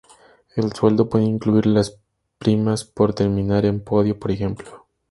El sueldo puede incluir las primas por terminar en podio, por ejemplo.